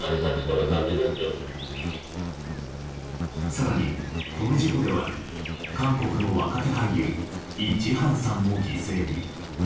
更に、この事故では韓国の若手俳優イ・ジハンさんも犠牲に。